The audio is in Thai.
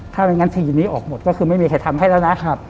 ถ้าไม่งั้นคดีนี้ออกหมดก็คือไม่มีใครทำให้แล้วนะ